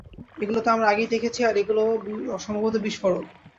এগুলো তো আমরা আগেই দেখেছি, আর এগুলে সম্ভবত বিস্ফোরক।